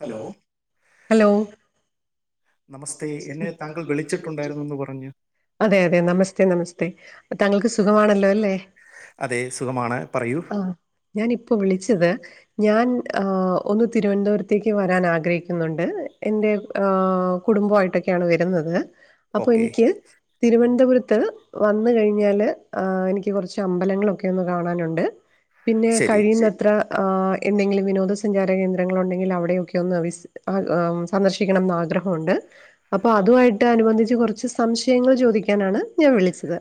Hello hello നമസ്തേ എന്നെ താങ്കൾ വിളിച്ചിട്ടുണ്ടായിരുന്നെന്ന് പറഞ്ഞ്. അതെ അതെ നമസ്തേ നമസ്തേ താങ്കൾക്ക് സുഖമാണല്ലോ അല്ലെ? അതെ സുഖമാണ് പറയൂ ആഹ് ഞാനിപ്പൊ വിളിച്ചത് ഞാൻ ആഹ് ഒന്ന് തിരുവനന്തപുരത്തേക്ക് വരാൻ ആഗ്രഹിക്കുന്നുണ്ട്. എൻ്റെ ആഹ് കുടുംബായിട്ടൊക്കെയാണ് വരുന്നത്. അപ്പോ ഓക്കെ എനിക്ക് തിരുവനന്തപുര ത്ത് വന്ന് കഴിഞ്ഞാല് ആഹ് എനിക്ക് കൊറച്ച് അമ്പലങ്ങളൊക്കെ ഒന്ന് കാണാനൊണ്ട്. പിന്നെ ശരി കഴിയുന്നത്ര ആഹ് എന്തെങ്കിലും വിനോദസഞ്ചാര കേന്ദ്രങ്ങളൊണ്ടെങ്കിൽ അവിടെയൊക്കെ ഒന്ന് വിസ് ആഹ് ആം സന്ദർശിക്കണം ന്നാ ഗ്രഹൊണ്ട്. അപ്പൊ അതുവായിട്ട് അനുബന്ധിച്ച് കൊറച്ച് സംശയങ്ങൾ ചോദിക്കാനാണ് ഞാവിളിച്ചത്.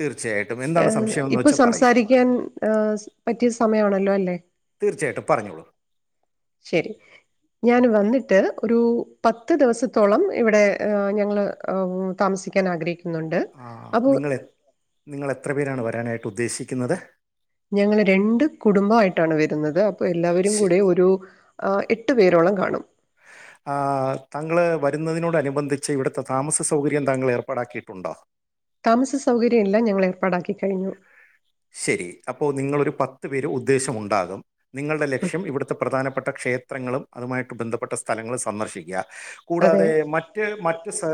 തീർച്ചയായിട്ടും എന്താണ് ഏഹ് സംശയം എന്ന് ഇപ്പൊ വെച്ചാൽ പറയൂ സംസാരിക്കാൻ ഏഹ് പറ്റിയ സമയമാണല്ലോ അല്ലെ? തീർച്ചയായിട്ടും പറഞ്ഞോളൂ ശെരി ഞാൻ വന്നിട്ട് ഒരു പത്ത് ദെവസത്തോളം ഇവിടെ ഏഹ് ഞങ്ങള് എവ് താമസ് സി ക്ക്യാനാഗ്രഹിക്കു ആഹ് അഹ് നിങ്ങളെ നിങ്ങളെത്രപേരാണ് വരാനായിട്ട് ഉദ്ദേശിക്കുന്നത്? ഞങ്ങള് രണ്ട് കുടുംബായിട്ടാണ് വരുന്നത് അ അപ്പൊ എല്ലാവരും ശരി കൂടെ ഒരു ഏഹ് എട്ടു പേരോളം കാണും. ന്നതിനോടനുബന്ധിച്ച് ഇവട്ത്തെ താമസ സൗകര്യം താങ്കൾ ഏർപ്പാടാക്കിയിട്ടുണ്ടോ? താമസസൗകര്യംഎല്ലാം ഞങ്ങളേർപ്പാടാക്കിക്കഴിഞ്ഞു. ശെരി, അപ്പോ നിങ്ങളൊരു പത്ത് പേര് ഉദ്ദേശം ഉണ്ടാകും നിങ്ങളുടെ ലക്ഷ്യം ഇവിടുത്തെ പ്രധാനപ്പെട്ട ക്ഷേത്രങ്ങളും അതുമായിട്ട് ബന്ധപ്പെട്ട സ്ഥലങ്ങളും സന്ദർശിക്ക്യാ. അതെ കൂടാതെ മറ്റ് മറ്റ് സ്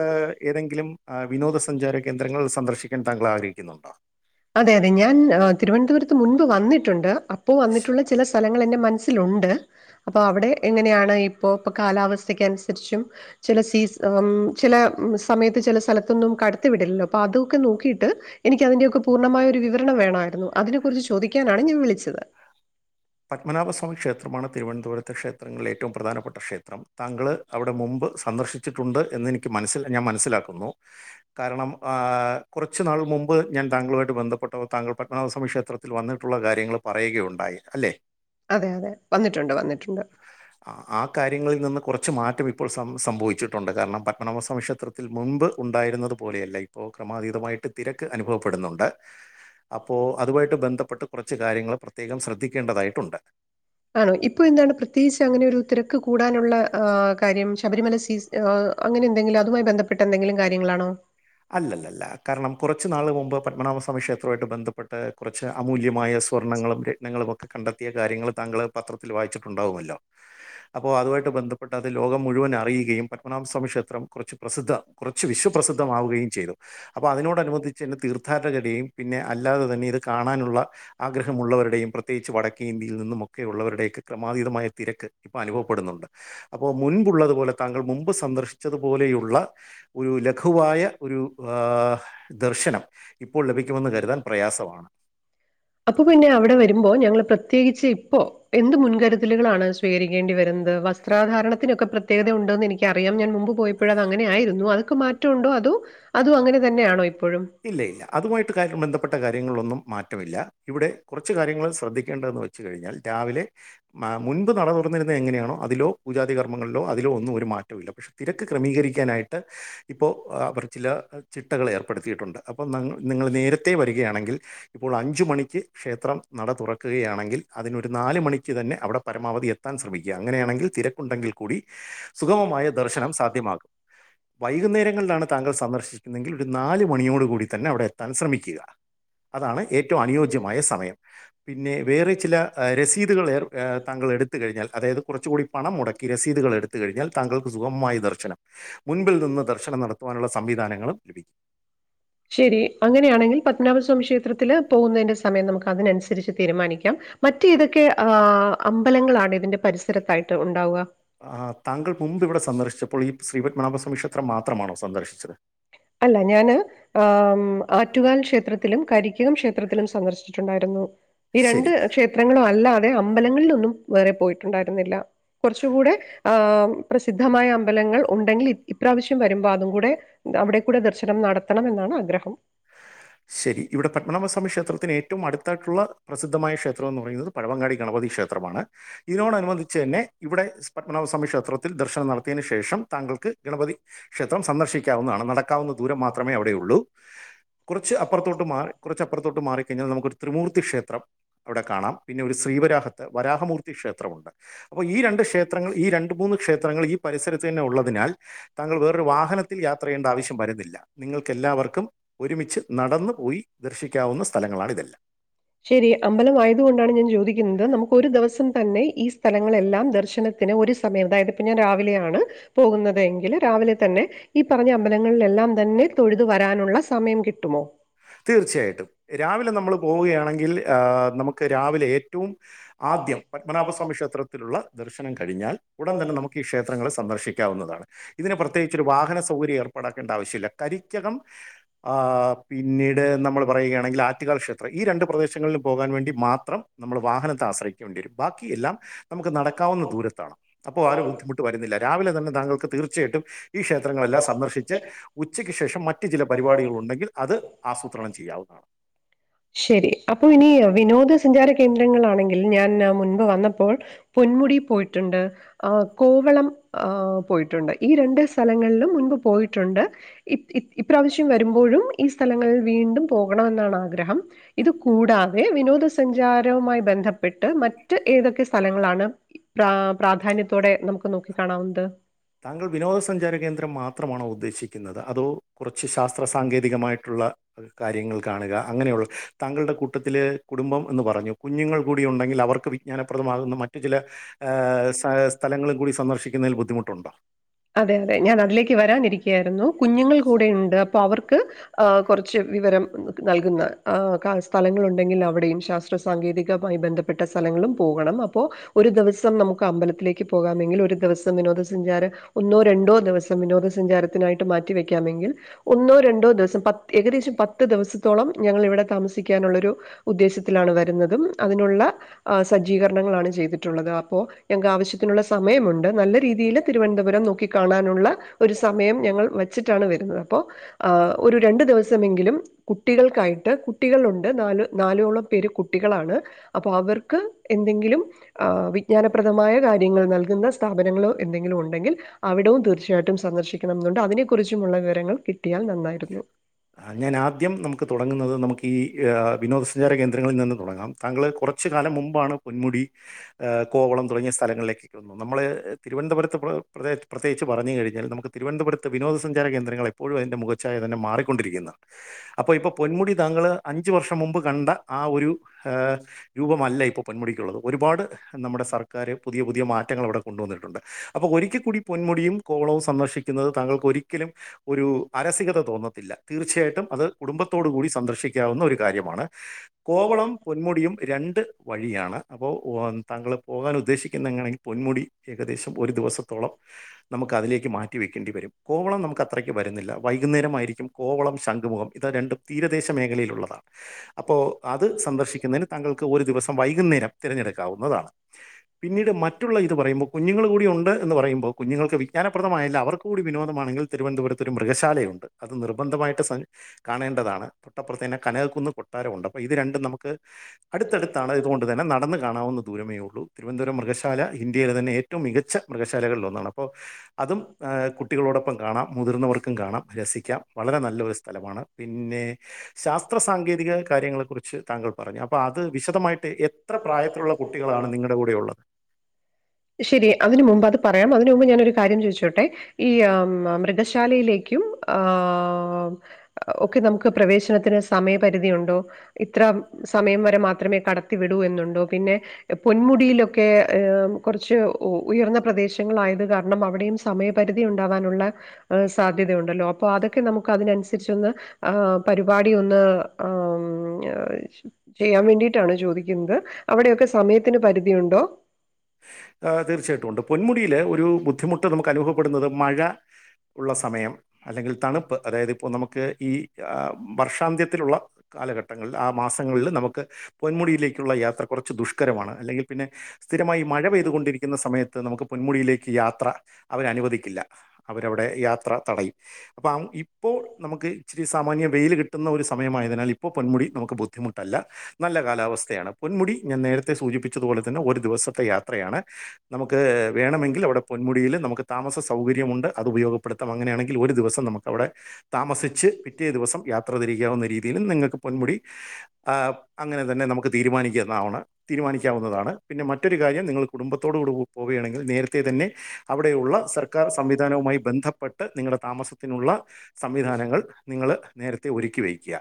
ഏതെങ്കിലും വിനോദ സഞ്ചാര കേന്ദ്രങ്ങൾ സന്ദർശിക്കാൻ താങ്കൾ ആഗ്രഹിക്കുന്നുണ്ടോ? അതെ അതെ ഞാൻ തിരുവനന്തപുരത്ത് മുൻപ് വന്നിട്ടുണ്ട് അപ്പോ വന്നിട്ടുള്ള ചില സ്ഥല ങ്ങളെൻ്റെ മനസ്സിലുണ്ട്. അപ്പൊ അവിടെ എങ്ങനെയാണ് ഇ പ്പോ ഇപ്പ കാലാവസ്ഥയ്ക്കനുസരിച്ചും ചെല സീസ് ഊം ചെല സമയത്ത് ചെല സ്ഥലത്തൊന്നും കടത്തിവിടില്ലല്ലോ അപ്പൊ അതു ഒക്കെ നോക്കിയിട്ട് എനിക്കതിൻ്റെയൊക്കെ പു ർണമായ ഒരു വിവരണം വേണമായിരുന്നു. അതിനെ കുറിച്ച് ചോദിക്കാനാണ് ഞാൻ വിളിച്ചത് പത്മനാഭസ്വാമി ക്ഷേത്രമാ ണ് തിരുവനന്തപുരത്തെ ക്ഷേത്രങ്ങളിൽ ഏറ്റവും പ്രധാനപ്പെട്ട ക്ഷേത്രം താങ്കൾ അവിടെ മുമ്പ് സന്ദർശിച്ചിട്ടുണ്ട് എന്ന് എനി ക്ക് മനസ്സി ഞാൻ മനസിലാക്കുന്നു കാരണം ഏഹ് കുറച്ച് നാൾ മുമ് മ്പ് ഞാൻ താങ്കളുമായിട്ട് ബന്ധപ്പെട്ടപ്പോ താങ്കൾ പത്മനാഭസ്വാമി ക്ഷേത്രത്തിൽ വന്നിട്ടുള്ള കാര്യങ്ങൾ പറയുകയുണ്ടായി അല്ലേ. അതെ അതെ വന്നിട്ടുണ്ട് വന്നിട്ടുണ്ട്. ആ കാര്യങ്ങളിൽ നിന്ന് കുറച്ച് മാറ്റം ഇപ്പോൾ സം സംഭവിച്ചിട്ടുണ്ട്. കാരണം പത്മനാഭസ്വാമി ക്ഷേത്രത്തിൽ മുൻപ് ഉണ്ടായിരുന്നത് പോലെയല്ല ഇപ്പോ ക്രമാതീതമായിട്ട് തിരക്ക് അനുഭവപ്പെടുന്നുണ്ട്. അപ്പോ അതുമായിട്ട് ബന്ധപ്പെട്ട് കുറച്ച് കാര്യങ്ങൾ പ്രത്യേകം ശ്രദ്ധിക്കേണ്ടതായിട്ടുണ്ട്. ആണോ ഇപ്പൊ എന്താണ് പ്രത്യേകിച്ച് അങ്ങനെ ഒരു തിരക്ക് കൂടാനുള്ള ആഹ് കാര്യം ശബരിമല സീസ് അങ്ങനെ എന്തെങ്കിലും അതുമായി ബന്ധപ്പെട്ട എന്തെങ്കിലും കാര്യങ്ങളാണോ. അല്ലല്ലല്ല കാരണം കുറച്ചുനാള് മുമ്പ് പത്മനാഭസ്വാമി ക്ഷേത്രമായിട്ട് ബന്ധപ്പെട്ട് കുറച്ച് അമൂല്യമായ സ്വർണങ്ങളും രത്നങ്ങളും ഒക്കെ കണ്ടെത്തിയ കാര്യങ്ങൾ താങ്കൾ പത്രത്തിൽ വായിച്ചിട്ടുണ്ടാവുമല്ലോ അപ്പ അതുവായിട്ട് ബന്ധപ്പെട്ട അത് ലോകം മുഴുവൻ അറിയുകയും പത്മനാഭസ്വാമി ക്ഷേത്രം കുറച്ച് പ്രസിദ്ധ കുറച്ച് വിശ്വപ്രസി ദ്ധമാവുകയും ചെയ്തു. അപ്പൊ അതിനോടനുബന്ധിച്ച് ഇന്ന് തീർഥാർടകർടെയും പിന്നെ അല്ലാതെ തന്നെ ഇത് കാണാനുള്ള ആഗ്രഹമുള്ളവരുടെയും പ്രത്യേകിച്ച് വടക്കേ ഇന്ത്യയിൽ നിന്നും ഒക്കെയുള്ളവരുടെയൊക്കെ ക്രമാതീതമായ തിരക്ക് ഇപ്പം അനുഭവപ്പെടു ന്നുണ്ട് അപ്പൊ മുൻപുള്ളതു പോലെ താങ്കൾ മുമ്പ് സന്ദർശിച്ചതുപോലെയുള്ള ഒരു ലഘുവായ ഒരു ദർശനം ഇപ്പോൾ ലഭിക്കുമെന്ന് കരുതാൻ പ്രയാസമാണ് അപ്പൊ പിന്നെ അവിടെ വരുമ്പോ ഞങ്ങള് പ്രത്യേക ഇപ്പോ എന്ത് മുൻകരുതലുകളാണ് സ്വീകരിക്കേണ്ടി വരുന്നത് വസ്ത്രാധാരണത്തിനൊക്കെ പ്രത്യേ പ്രത്യേകത ഉണ്ട് എന്ന് എനിക്കറിയാം ഞാൻ മുൻപ് പോയപ്പോഴ് അത് അങ്ങനെയായിരുന്നു അതോക്കെ മാറ്റമുണ്ടോ അതോ അതും അങ്ങനെ തന്നെയാണോ ഇപ്പോഴും? ഇല്ല ഇല്ല അതുമായിട്ട് കാര് ബന്ധപ്പെട്ട കാര്യങ്ങളൊന്നും മാറ്റമില്ല ഇവിടെ കുറച്ച് കാര്യങ്ങൾ ശ്രദ്ധിക്കേണ്ടതെന്ന് വെച്ച് കഴിഞ്ഞാൽ രാവിലെ മുൻപ് നടന്ന ര എങ്ങനാണോ അതിലോ പൂജാതി കർമ്മങ്ങളിലോ അതിലോ ഒന്നും ഒരു മാറ്റമില്ല പക്ഷെ തിരക്ക് ക്രമീകരിക്കാനായിട്ട് ഇപ്പോ ചില ചിട്ടകൾ ഏർപ്പെടുത്തിയിട്ടുണ്ട് അപ്പോം നിങ്ങൾ നേരത്തെ വരികയാണെങ്കിൽ ഇപ്പോൾ അഞ്ച് മണിക്ക് ക്ഷേത്രം നട തുറക്കുകയാണെങ്കിൽ അതിനൊരു നാല് മണിക്ക് തന്നെ അവിടെ പരമാവധി എത്താൻ ശ്രമിക്കുക അങ്ങനെയാണെങ്കിൽ തിരക്കുണ്ടെങ്കിൽ കൂടി സുഗമമായ ദർശനം സാധ്യമാകും വൈകുന്നേരങ്ങളിലാണ് താങ്കൾ സന്ദർശിക്കുന്നെങ്കിൽ ഒരു നാല് മണിയോട് കൂടി തന്നെ അവിടെ എത്താൻ ശ്രമിക്കുക അതാണ് ഏറ്റവും അനുയോജ്യമായ സമയം പിന്നെ വേറെ ചില രസീതുകൾ ഏർ താങ്കൾ എടുത്ത് കഴിഞ്ഞൽ അതായത് കുറച്ചുകൂടി പണം മുടക്കി രസീതുകൾ എടുത്ത് കഴിഞ്ഞാൽ താങ്കൾക്ക് സുഗമായി ദർശനം മുൻപിൽ നിന്ന് ദർശനം നടത്തുവാനുള്ള സംവിധാനങ്ങളും ശരി അങ്ങനെയാണെങ്കിൽ പത്മനാഭസ്വാമി ക്ഷേത്രത്തില് പോകുന്നതിന്റെ സമയം നമുക്ക് അതിനനുസരിച്ച് തീരുമാനിക്കാം മറ്റേതൊക്കെ അമ്പലങ്ങളാണ് ഇതിന്റെ പരിസരത്തായിട്ട് ഉണ്ടാവുക? ആ താങ്കൾ മുമ്പ് ഇവിടെ സന്ദർശിച്ച പ്പോൾ ഈ ശ്രീപത്മനാഭസ്വി ക്ഷേത്രം മാത്രമാണോ സന്ദർശിച്ചത് അല്ല ഞാന് ആ ആറ്റുകാൽ ക്ഷേത്രത്തിലും കരിക്കകം ക്ഷേത്രത്തിലും ക്ഷത്രത്തിലും സന്ദർശിച്ചിട്ടുണ്ടായിരുന്നു ഈ രണ്ട് ശരി ക്ഷേത്രങ്ങളും അല്ല വേ അമ്പലങ്ങളിലൊന്നും വേറെ പോയിട്ടുണ്ടായിരുന്നില്ല കുറച്ചുകൂടെ ആ പ്രസിദ്ധമായ അമ്പലങ്ങൾ ഉണ്ടെങ്കിൽ ഇപ്രാവശ്യം വരുമ്പോൾ അതും കൂടെ അവിടെ ടെ ദർശനം നടത്തണമെന്നാണ് ആഗ്രഹം ശരി ഇവിടെ പത്മനാഭസ്വാമി ക്ഷേത്രത്തിന് ഏറ്റവും അടുത്തായിട്ടുള്ള പ്രസിദ്ധമായ ക്ഷേത്രം എന്ന് പറയുന്നത് പഴവങ്ങാടി ഗണപ ക്ഷേത്രമാണ് ഇതിനോടനുബന്ധിച്ച് തന്നെ ഇവിടെ പത്മനഭസ്വാമി ക്ഷേത്രത്തിൽ ദർശനം നടത്തിയതിനു ശേഷം ത തങ്കൾക്ക് ഗണപതി ക്ഷേത്രം സന്ദർശിക്കാവുന്നതാണ് നടക്കാവുന്ന ദൂരം മാത്രമേ അവിടെയുള്ളൂ കുറച്ച് അപ്പറോത്തോട്ട് മാറി കുറച്ച് അപ്പറോത്തോട്ട് മാറിക്കഴിഞ്ഞാൽ നമുക്കൊരു രുത്രിമൂർത്തി ക്ഷേത്രം അവിടെ കാണാം പിന്നെ ഒരു ശ്രീവരാഹത്ത് വരാഹമൂർത്തി ക്ഷേത്രമുണ്ട് അപ്പൊ ഈ രണ്ട് ക്ഷേത്രങ്ങൾ ഈ രണ്ട് മൂന്ന് ക്ഷേത്രങ്ങൾ ഈ പരിസരത്ത് തന്നെ ഉള്ളതിനാൽ താങ്കൾ വേറൊരു വാഹനത്തിൽ യാത്ര ചെയ്യേണ്ട ആവശ്യം വരുന്നില്ല നിങ്ങൾക്ക് എല്ലാവർക്കും ഒരുമിച്ച് നടന്നു പോയി ദർശിക്കാവുന്ന സ്ഥലങ്ങളാണ് ഇതെല്ലാം ശരി അമ്പലം ആയതു കൊണ്ടാണ് ഞാൻ ചോദി ക്കിന്ത് നമുക്കൊരു ദിവസം തന്നെ ഈ സ്ഥലങ്ങളെല്ലാം ദർശനത്തിന് ഒരു സമയം അതായത് ദാ ഇതിപ്പം ഞാൻ രാവിലെയാണ് പോകുന്നതെങ്കില് രാവിലെ തന്നെ ഈ പറഞ്ഞ അമ്പലങ്ങളിലെല്ലാം തന്നെ തൊഴുതു വരാനുള്ള സമയം കിട്ടുമോ തീർച്ചയായിട്ടും രാവിലെ നമ്മള് പോവുകയാണെങ്കിൽ നമുക്ക് രാവിലെ ഏറ്റവും ആദ്യം പത്മനാഭസ്വാമി ക്ഷേത്രത്തിലുള്ള ദർശനം കഴിഞ്ഞാൽ ഉടൻ തന്നെ നമുക്ക് ഈ ക്ഷേത്രങ്ങളെ സ് ദർ സന്ദർശിക്കാവുന്നതാണ് ഇതിന് പ്രത്യേകിച്ച് ഒരു വാഹന സൗകര്യം ഏർപ്പെടാക്കേണ്ട ആവശ്യല്ല കരിക്കകം ആ ആ പിന്നീട് നമ്മള് പറയുകയാണെങ്കിൽ ആറ്റുകാൽ ക്ഷേത്രം ഈ രണ്ട് പ്രദേശങ്ങളിലും പോകാൻ വേണ്ടി മാത്രം നമ്മള് വാഹനത്താണ് ആശ്രയിക്കുണ്ടി വരും ബാക്കി എല്ലാം നമുക്ക് നടക്കാവുന്ന ദൂരത്താണ് അപ്പോൾ ആ ഒരു ബുദ്ധിമുട്ട് വരുന്നില്ല രാവിലെ തന്നെ താങ്കൾക്ക് തീർച്ചയായിട്ടും ഈ ക്ഷേത്രങ്ങളെല്ലാം സന്ദർശിച്ച് ഉച്ചയ്ക്ക് ശേഷം മറ്റു ചില പരിപാടികൾ ഉണ്ടെങ്കിൽ അത് അസൂ ത്രണം ചെയ്യാവുന്നതാണ് ശരി അപ്പൊ ഇനി വിനോദ സഞ്ചാര കേന്ദ്രങ്ങളാണെങ്കിൽ ഞാൻ മുൻപ് വന്നപ്പോൾ പൊന്മുടി പോയിട്ടുണ്ട് ആ കോവളം ആ പോയിട്ടുണ്ട് ഈ രണ്ട് സ്ഥലങ്ങളിലും മുൻപ് പോയിട്ടുണ്ട് ഇ ഇ ഇപ്രാവശ്യം വരുമ്പോഴും ഈ സ്ഥലങ്ങൾ വീണ്ടും പോകണമെന്നാണ് ആഗ്രഹം ഇത് കൂടാതെ വിനോദസഞ്ചാരവുമായി ബന്ധപ്പെട്ട് മറ്റ് ഏതൊക്കെ സ്ഥലങ്ങളാണ് പ്ര പ്രാധാന്യത്തോടെ നമുക്ക് നോക്കി കാണാവുന്നത് താങ്കൾ വിനോദസഞ്ചാര കേന്ദ്രം മാത്രമാണോ ഉദ്ദേ ക്ഷിക്കുന്നത് അതോ കുറച്ച് ശാസ്ത്ര സാങ്കേതികമായിട്ടുള്ള കാര്യങ്ങൾ കാണുക അങ്ങനെയുള്ള താങ്കളുടെ കൂട്ടത്തിലെ കുടുംബം എന്ന് പറഞ്ഞു കുഞ്ഞുങ്ങൾ കൂടി ഉണ്ടെങ്കിൽ അവർക്ക് വിജ്ഞാനപ്രദമാകുന്ന മറ്റു ചില ആ സാ സ്ഥലങ്ങളും കൂടി സന്ദർശിക്കുന്നതിൽ ബുദ്ധിമുട്ടുണ്ടോ അതെ അതെ ഞാൻ അതിലേക്ക് വരാനിരിക്കയായിരുന്നു കുഞ്ഞുങ്ങൾ കൂടെയിണ്ട് അപ്പൊ അവർ ക്ക് കുറച്ച് വിവരം നൽകുന്ന കാ സ്ഥലങ്ങളുണ്ടെങ്കിൽ അവിടെയും ശാസ്ത്ര സാങ്കേ അതിമായി ബന്ധപ്പെട്ട സ്ഥലങ്ങളും പോകണം അപ്പോൾ ഒരു ദിവസം നമുക്ക് അമ്പലത്തിലേക്ക് പോകാമെങ്കിൽ ഒരു ദിവസം വിനോദസഞ്ചാര ഒന്നോ രണ്ടോ ദിവസം വിനോദസഞ്ചാരത്തിനായിട്ട് മാറ്റിവെക്കാമെങ്കിൽ ഒന്നോ രണ്ടോ ദിവസം പത്ത് ഏകദേശം പത്ത് ദിവസത്തോളം ഞങ്ങളിവിടെ താമസിക്കാനുളെളാരു ഉദ്ദേശത്തിലാണ് വരുന്നതും അതിനുള്ള സജ്ജീകരണങ്ങളാണ് ചെയ്തിട്ടുള്ളത് അപ്പോൾ ഞങ്ങക്ക് ആവശ്യത്തിനുള്ള സമയമുണ്ട് നല്ല രീതിയിൽ തിരുവനന്ത പുരം നോക്കികാണാനുള്ള ഒരു സമയം ഞങ്ങൾ വെച്ചിട്ടാണ് വരുന്നത് അപ്പോ ഒരു രണ്ടു ദിവസം മി മെങ്കിലും കുട്ടികൾക്കായിട്ട് കുട്ടികളുണ്ട് നാല് നാലോളം പേര് കുട്ടികളാണ് അപ്പോ അവർ ക്ക് എന്തെങ്കിലും വിജ്ഞാനപ്രദമായ കാര്യങ്ങൾ നൽകുന്ന സ്ഥാപനങ്ങളോ എന്തെങ്കിലും ഉണ്ടെങ്കിൽ അവിടോം തീർച്ചയായിട്ടും സന്ദർശിക്കണം എന്നുണ്ട് അതിനെ കുുറിച്ചുമുള്ള വിവരങ്ങൾ കിട്ടിയാൽ നന്നായിരുന്നു ഞാൻ ആദ്യം നമുക്ക് തുടങ്ങുന്നത് നമുക്ക് ഈ വിനോദസഞ്ചാര കേന്ദ്രങ്ങളിൽ നിന്ന് തുടങ്ങാം താങ്കൾ കുറച്ച് കാലം മുമ്പാണ് പൊന്മുടി കോ കൊവളം തുടങ്ങിയ സ്ഥലങ്ങളിലേക്ക് വന്ന നമ്മള് തിരുവനന്തപുരത്ത് പ്ര പ്രതേയിത്ത് പ്രത്യേച്ച് പറഞ്ഞഴിഞ്ഞാൽ നമുക്ക് തിരുവനന്തപുരത്ത് വിനോദസഞ്ചാര കേന്ദ്രങ്ങൾ എപ്പോഴും അതിന്റെ മുഖച്ചായ തന്നെ മാറി കൊണ്ടിരിക്കുന്ന അപ്പൊ ഇപ്പൊ പൊന്മുടി താങ്കൾ അഞ്ച് വർഷം മുമ്പ് കണ്ട ആ ഒരു രൂപമല്ല ഇപ്പോൾ പെന്മുടിക്കുള്ളത് ഒരുപാട് നമ്മുടെ സർക്കാർ പുതിയ പുതിയ മാറ്റങ്ങൾ അവിടെ കൊണ്ടുവന്നിട്ടുണ്ട് അപ്പോ ഒരിക്കൽ കൂടി പൊന്മുടിയും കോളവും സന്ദർശിക്കുന്നത് താങ്കൾക്ക് ഒരിക്കലും ഒരു അരസികത തോന്നത്തില്ല തീർച്ചയായിട്ടും അത് കുടുംബത്തോടു കൂടി സന്ദർശിക്കാവുന്ന ഒരു കാര്യമാണ്. കോവളം പൊന്മുടിയും രണ്ട് വഴിയാണ് അപ്പോൾ താങ്കൾ പോകാൻ ഉദ്ദേശിക്കുന്നെങ്ങണെങ്കിൽ പൊന്മുടി ഏകദേശം ഒരു ദിവസത്തോളം നമുക്ക് അതിലേക്ക് മാറ്റിവെക്കേണ്ടി വരും കോവളം നമുക്ക് അത്രയ്ക്ക് വരുന്നില്ല വൈകുന്നേരമായിരിക്കും കോവളം ശംഖുമുഖം ഇത് രണ്ടും തീരദേശ മേഖലയിലുള്ളതാണ് അപ്പോൾ അത് സന്ദർശിക്കുന്നേല് താങ്കൾ ക്ക് ഒരു ദിവസം വൈകുന്നേരം തിരഞ്ഞെടുക്കാവുന്നതാണ് പിന്നീട് മറ്റുള്ള ഇത് പറയുമ്പോൾ കുഞ്ഞുങ്ങൾ കൂടി ഉണ്ട് എന്ന് പറയുമ്പോ കുഞ്ഞ് ജ്ഞാനപ്രദമായല്ല അവർക്കകൂടി വിനോമാണങ്കിൽ തിരുവനന്തപുരത്ത് ഒരു മൃഗശാല ഉണ്ട് അത് നിർ ത്തമായിട്ട് സൻ കാണേണ്ടതാണ് തൊട്ടപ്പുറത്തെന്നെ കനകക്കുന്ന് കൊട്ടാരം ഉണ്ട് അപ്പൊ ഇത് രണ്ടും നമുക്ക് അടുത്ത് ടുത്താണ് ഇതുകൊണ്ട് തന്നെ നടന്ന് കാണാവുന്ന ദൂരമേ ഉള്ളൂ തിരുവനന്തപുരം മൃഗശാല ഇന്ത്യയിലെ തന്നെ ഏറ്റവും മൃഗശാലളിൽ ഒന്നാണ് അപ്പോൾ അതും കുട്ടികളോടൊപ്പം കാണാം മുതിർന്നവർക്കും കാണാം രസിക്കാം വളരെ നല്ലൊരു സ്ഥലമാണ് പിന്നെ ശാസ്ത്ര സാങ്കേതിക കാര്യങ്ങളെ കുുറിച്ച് താങ്കൾ പറഞ്ഞു അപ്പൊ അത് വിശദമായിട്ട് എത്ര പ്രായത്തിലുള്ള കുട്ടികളാണ് നിങ്ങളുടെ കൂടെ ഉുള്ളത് ശരി അതിന് മുമ്പ് അത് പറയാം അതിന് മുമ്പ് ഞാനൊരു കാര്യം ചോദിച്ചോട്ടെ ഈ ആ മൃഗശാ ശാലയിലേക്കും [unintelligible] ഒക്കെ നമുക്ക് പ്രവേശി ഭക്ഷണത്തിന് സമയപരിധി ഉണ്ടോ ഇത്ര സമയം വരെ മാത്രമേ കടത്തി വിടൂ എന്നുണ്ടോ പിന്നെ പൊന്മുടിയിലൊക്കെ കുറച്ച് ഉയർന്ന പ്രദേശങ്ങളൾായത് കാരണം അവിടെയും സമയപരിധി ഉണ്ടാാവാനുള്ള ഹ് സാധ്യതയുണ്ടല്ലോ അപ്പോ അതൊക്കെ നമുക്ക് അതിനനുസരിച്ച് ഒന്ന് പരിപാടി ഒന്ന് ചെയ്യാൻ [unintelligible] വേണ്ടിയിട്ടാണ് ചോദിക്കുന്നത് അവിടെയൊക്കെ സമയത്തിന് പരിധിയുണ്ടോ ആ തീർച്ചയായിട്ടും ഉണ്ട് പൊന്മുടിയില് ഒരു ബുദ്ധിമുട്ട് നമുക്ക് അനുഭവപ്പെടുന്നത് മഴ ഉള്ള സമയം അല്ലെങ്കിൽ തണുപ്പ് അതായത് ഇപ്പോൾ നമുക്ക് ഈ വർഷാന്ത്യത്തിലുള്ള കാല ഘട്ടങ്ങളിൽ ആ മാസങ്ങളിൽ നമുക്ക് പൊന്മുടിയിലേക്കുള്ള യാത്ര കുറച്ച് ദുഷ്കരമാണ് അല്ലെങ്കിൽ പിന്നെ സ്ഥിരമായി മഴ പെയ്തുകൊണ്ടിരിക്കുന്ന സമയത്ത് നമുക്ക് പൊന്മുടിയിലേക്ക് യാത്ര അവരനുവദിക്കില്ല അവരവിടെ യാത്ര തടയും അപ്പൊ ഇപ്പോ നമുക്ക് ഇച്ചിരി സാമാന്യം വെയില് കിട്ടുന്ന ഒരു സമയമായതിനാൽ ഇപ്പോ പൊന്മുടി നമുക്ക് ബുദ്ധി ബുദ്ധിമുട്ടല്ല നല്ല കാലാവസ്ഥയാണ് പൊന്മുടി ഞാൻ നേരത്തെ സൂചിപ്പിച്ചതുപോലെ തന്നെ ഒരു ദിവസത്തെ യാത്രയാണ് നമുക്ക് വേണമെങ്കിൽ അവിടെ പൊന്മുടിയിൽ നമുക്ക് താമസ സൗകര്യമുണ്ട് അത് ഉപയോഗപ്പ അങ്ങനെയാണെങ്കിൽ ഒരു ദിവസം നമുക്ക് അവിടെ താമസിച്ച് പിറ്റേ ദിവസം യാത്ര തിരിക്കാവുന്ന രീതിയിലുംനിങ്ങൾക്ക് പൊന്മുടി അങ്ങനെ തന്നെ നമുക്ക് തീരുമാനിക്കു ആവ്ണ് തീരുമാനിക്കാവുന്നതാണ് പിന്നെ മറ്റൊരു കാര്യം നിങ്ങൾ കുടുംബത്തോടും ടു പോവുകയാണെങ്കിൽ നേരത്തെ തന്നെ അവിടെയുള്ള സർക്കാർ സംവിധാനവുമായി ബന്ധപ്പെട്ട ട്ട് നിങ്ങളുടെ താമസത്തിനുള്ള സംവിധാനങ്ങൾ നിങ്ങൾ നേരത്തെ ഒരുക്കി വെക്ക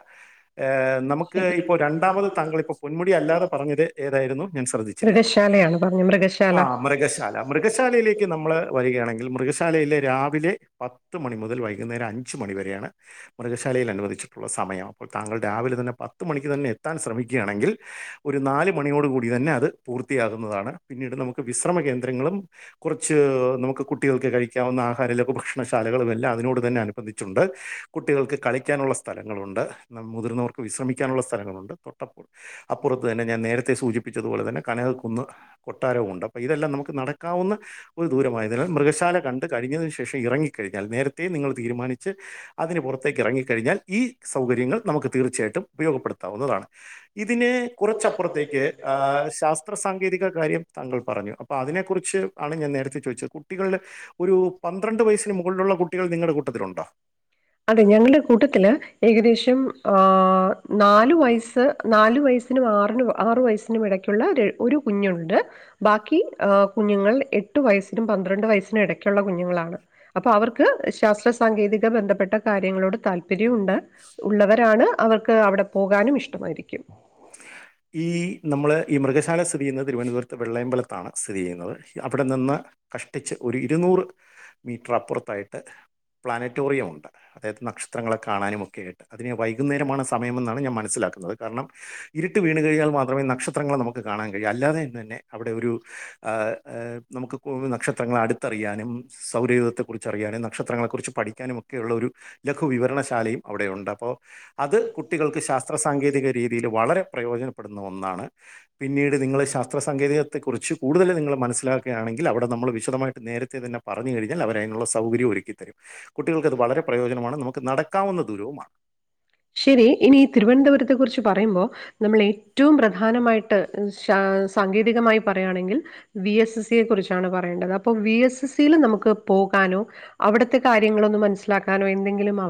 ശരി. ക്ക്ഇപ്പോ രണ്ടാമത് താങ്കളിപ്പോ പൊന്മുടി അല്ലാതെ പറഞ്ഞത് ഏതായിരുന്നു ഞാൻ ശ്രദ്ധിച്ചില്ല മൃഗശാലയാണ് പറഞ്ഞ മൃഗശാല ആ മൃഗശാല മൃഗശാലയിലേക്ക് നമ്മള് വരികയാണെങ്കിൽ മൃഗശാലയിലെ രാവിലെ പത്ത് മണി മുതൽ വൈകുന്നേരം അഞ്ച്മണി വരെയാണ് മൃഗശാലയിൽ അനുവദിച്ചിട്ടുള്ള സമയം അപ്പോൾ താങ്കൾ രാവിലെ തന്നെ പത്ത് മണിക്ക് തന്നെ എത്താൻ ശ്രമിക്കുകയാണെങ്കിൽ ഒരു നാല് മണിയോടുകൂടി തന്നെ അത് പൂർത്തിയാകുന്നതാണ് പിന്നീട് നമുക്ക് വിശ്രമ കേന്ദ്രങ്ങളും കുറച്ച് നമുക്ക് കുട്ടികൾക്ക് കഴിക്കാവുന്ന ആഹാരമുള്ള ഭക്ഷണശാലകളും എല്ലാം അതിനോട് തന്നെ അനു ബന്ധിച്ചുണ്ട് കുട്ടികൾക്ക് കളിക്കാനുള്ള സ്ഥലങ്ങളുണ്ട് മുതിർവർക്ക് വിശ്രമിക്കാനുള്ള സ്ഥലങ്ങളുണ്ട് തൊട്ടപ്പ അപ്പുറത്ത് തന്നെ ഞാൻ നേരത്തെ സൂചിപ്പിച്ചതുപോലെ തന്നെ കനകൾ കൊന്ന് കൊട്ടാരവും ഉണ്ട് അപ്പോൾ ഇതെല്ലാം നമുക്ക് നടക്കാവുന്ന ഒരു ദൂരമായതിനാൽ മൃഗശാല കണ്ട് കഴിഞ്ഞതിനു ശേഷം ഇറങ്ങി യാൽ നേരത്ത നിങ്ങൾ തീരുമാനിച്ച് അതിന് പുറത്തേക്ക് ഇറങ്ങിക്കഴിഞ്ഞാൽ ഈ സൗകര്യങ്ങൾ നമുക്ക് തീർച്ചയായിട്ടും ഉപയോഗപ്പെടുത്താവുന്നതാണ് ഇതിന് കുറച്ചപ്പുറത്തേക്ക് എ ശാസ്ത്ര സാങ്കേതിക കാര്യ താങ്കൾ പറഞ്ഞു അപ്പൊ അതിനെ കുറിച്ച് ആണ് ഞാൻ നേരത്തെ ചോദിച്ചത് കുട്ടികളുടെ ഒരു പന്ത്രണ്ട് വയസ്സിന് മുക കളിലുള്ള കുട്ടികൾ നിങ്ങളുടെ കൂട്ടത്തിലുണ്ടോ അതെ ഞങ്ങളുടെ കൂട്ടത്തില് ഏകദേശം ആ നാലു വയസ്സ് നാലു വയസ്സിനും ആറിനും ആറു വയസ്സിനും മിടയ്ക്കുള്ള ഒരു കുഞ്ഞുണ്ട് ബാക്കിഎ കുഞ്ഞുങ്ങൾ എ എട്ടു വയസിനും പന്ത്രണ്ട് വയസ്സിനും ഇടയ്ക്കുള്ള കുഞ്ഞുങ്ങളാണ് അപ്പൊ അവർക്ക് ശാസ്ത്ര സാങ്കേതിക ബന്ധപ്പെട്ട യങ്ങളോട് താല്പര്യംഉണ്ട് ഉള്ളവരാണ് അവർക്ക് അവിടെ പോകാനും ഇഷ്ടമായിരിക്കും ഈ നമ്മൾ ഈ മൃഗശാല സ്ഥിതി ചെയ്യുന്നത് തിരുവനന്തപുരത്ത് വെള്ളയമ്പലത്താണ് സ്ഥിതി ചെയ്യുന്നത് അവിടെ നിന്ന് കഷ്ടിച്ച് ഒരു ഇരുന്നൂറ് നൂറ് മീറ്റർ അപ്പുറത്തായിട്ട് പ്ലാനറ്റോറിയം ഉണ്ട് അതായത് നക്ഷത്രങ്ങളെ കാണാനുമ ഒക്കെയ ആയിട്ട് അതിന് വൈകുന്നേരമാണ് സമയംമെന്നാണ് ഞാൻ മനസ്സിലാക്കുന്നത് കാരണം ഇരുട്ട് വീണുകഴിഞ്ഞാൽ മാത്രമേ നക്ഷത്രങ്ങളെ നമുക് മുക്ക് കാണാൻ കഴിയും അല്ലാതെ തന്നെ അവിടെ ഒരു ആ ആ നമുക്ക് ഇപ്പൊ ഒന്നു നക്ഷത്രങ്ങളെ അടുത്തറിയാനും സൗരയൂഥത്തെ കുറിച്ച് അറിയാനും നക്ഷത്രങ്ങളെ കുറിച്ച് പഠിക്കാനും ഒക്കെ ഉള്ള ഒരു ലഘു വിവരണശാലയും അവിടെ ഉണ്ട് അപ്പോൾ പ്പൊ അത് കുട്ടികൾ ക് ശാസ്ത്ര സാങ്കേതിക രീതിയില് വളരെ പ്രയോജനപ്പെടുന്ന ഒന്നാണ് പിന്നീട് നിങ്ങള് ശാസ്ത്ര സാങ്കേതിക ത്തെ കുറിച്ച് കൂടുതല് നിങ്ങള് മസ്സിലാക്കുകയാണെങ്കിൽ അവിടെ നമ്മള് വിശദമായിട്ട് നേര ത്തെ തന്നെ പറഞ്ഞു കഴിഞ്ഞാൽ അവരയിനൊള്ള സൗകര്യവും ഒരുക്കിത്തരും കുട്ടികൾക്കത് വളരെ പ്രയോജനമാണ് നമുക്ക് നടക്കാവുന്ന ദൂരവുമാണ് ശരി. ഇനി ഈ തിരുവനന്തപുരത്തെ കുറിച്ച് പറയുമ്പോ നമ്മള് ഏറ്റവും പ്രധാനമായിട്ട് ശാസ് സാങ്കേതികമായി പറയുവാണെങ്കിൽ വി എസ് എസ് സിയെ കുറിച്ചാണ് പറയേണ്ടത് അപ്പോ വി എസ് എസ് സിയിൽ നമുക്ക് പോകാനോ അവിടു ത്തെ കാര്യങ്ങളൊന്ന് മനസ്സിലാക്കാനോ എന്തെങ്കിലും അവ